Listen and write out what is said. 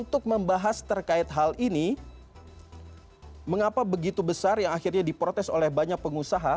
untuk membahas terkait hal ini mengapa begitu besar yang akhirnya diprotes oleh banyak pengusaha